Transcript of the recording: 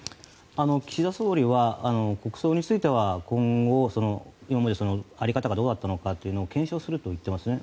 岸田総理は国葬については今後、今まで在り方がどうだったのか検証するといっていますね。